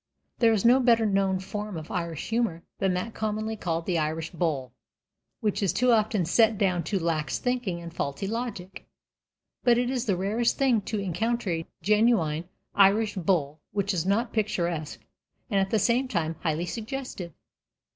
There is no better known form of Irish humor than that commonly called the "Irish bull," which is too often set down to lax thinking and faulty logic. But it is the rarest thing to encounter a genuine Irish "bull" which is not picturesque and at the same time highly suggestive.